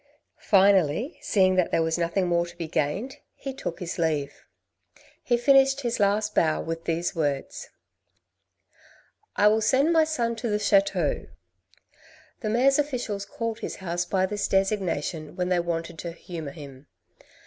Finally, seeing that there was nothing more to be gained, he took his leave. He finished his last bow with these words :" I will send my son to the Chateau." The Mayor's officials called his house by this designation when they wanted to humour him.